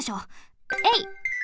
えい！